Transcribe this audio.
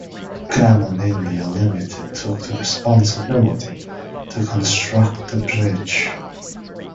Gammon India Limited took the responsibility to construct the bridge.